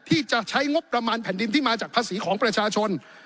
ที่จะใช้งบประมาณแผ่นดินที่มาจากภาษีของประชาชน